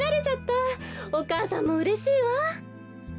お母さんもうれしいわ。